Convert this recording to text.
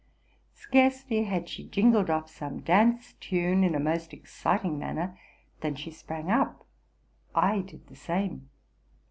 Scarcely had she jingled off some dance tune, in a most exciting manner, than she sprangup: Ididthesame.